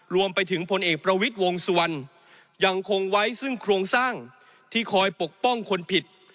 รวมไปถึงพลเอกประวิทย์วงสุวรรณยังคงไว้ซึ่งโครงสร้างที่คอยปกป้องคนผิด